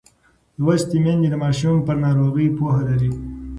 لوستې میندې د ماشوم پر ناروغۍ پوهه لري.